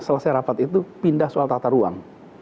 selesai rapat itu pindah soal tata ruang